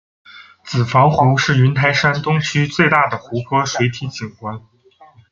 子房湖是云台山东区最大的湖泊水体景观。